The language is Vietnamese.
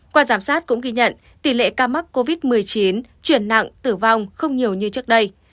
qua giám sát cũng ghi nhận tỷ lệ ca mắc covid một mươi chín chuyển nặng tử vong không nhiều như trước đây